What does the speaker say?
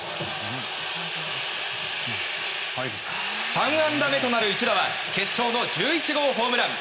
３安打目となる一打は決勝の１１号ホームラン！